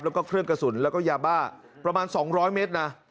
แล้วก็เครื่องกระสุนแล้วก็ยาบ้าประมาณ๒๐๐เมตรนะ